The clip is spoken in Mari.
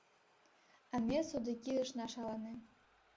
А ме содыки ышна шалане...